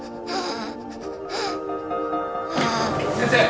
先生！